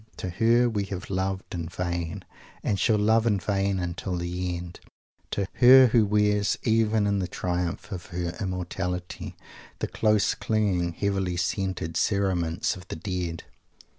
to Her we have loved in vain and shall love in vain until the end to Her who wears, even in the triumph of her Immortality, the close clinging, heavily scented cerements of the Dead!